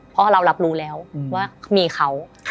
เพราะเรารับรู้แล้วว่ามีเขา